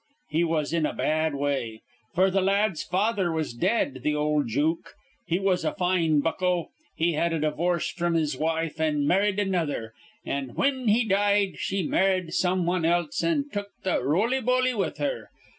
He was in a bad way; f'r the la ad's father was dead, th' ol' jook. He was a fine bucko. He had a divorce fr'm his wife, an' marrid another; an', whin he died, she marrid somewan else an' took the roly boly with her.